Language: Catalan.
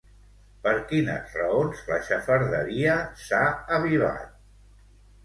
Per quines raons la xafarderia s'ha avivat?